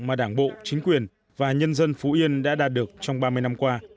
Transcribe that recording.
mà đảng bộ chính quyền và nhân dân phú yên đã đạt được trong ba mươi năm qua